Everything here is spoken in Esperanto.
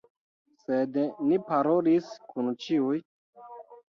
Sed ni parolis kun ĉiuj.